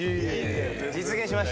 実現しましたね。